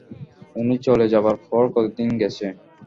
উনি চলে যাবার পর কতদিন গেছে?